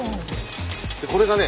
これがね